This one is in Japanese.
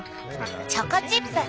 チョコチップ。